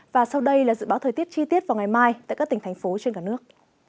và sau đây là dự báo thời tiết chi tiết vào ngày mai tại các tỉnh thành phố trên cả nước